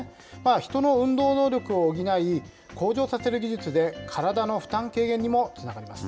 人の運動能力を補い、向上させる技術で、体の負担軽減にもつながります。